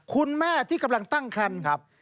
คุณแม่ที่กำลังตั้งคันครับ